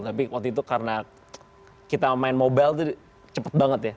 tapi waktu itu karena kita main mobile itu cepet banget ya